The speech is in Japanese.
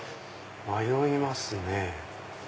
迷いますね。